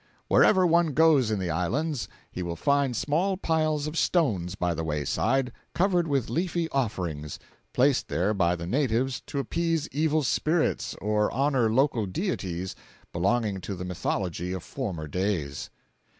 Wherever one goes in the Islands, he will find small piles of stones by the wayside, covered with leafy offerings, placed there by the natives to appease evil spirits or honor local deities belonging to the mythology of former days.